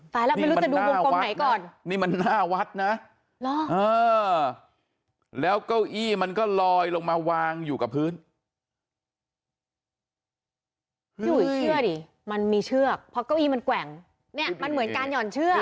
ตอนนี้นี่เหมือนการหย่อนเชื่อ